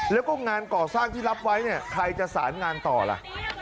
แล้วก็งานก่อสร้างที่รับไว้เนี่ยใครจะสารงานต่อล่ะ